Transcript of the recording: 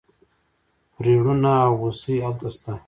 پریړونه او هوسۍ هلته شته.